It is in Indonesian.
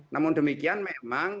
namun demikian memang